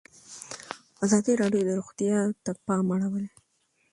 ازادي راډیو د روغتیا ته پام اړولی.